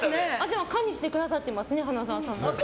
可にしてくださってますね花澤さんが。